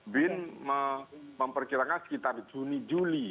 bin memperkirakan sekitar juni juli